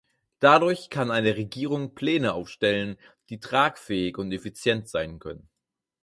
Dadurch kann eine Regierung Pläne aufstellen, die tragfähig und effizient sein können.